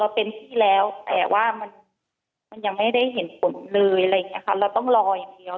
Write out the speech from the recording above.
เราเป็นที่แล้วแต่ว่ามันยังไม่ได้เห็นฝนเลยเราต้องรออย่างเดียว